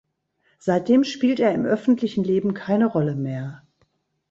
Seitdem spielt er im öffentlichen Leben keine Rolle mehr.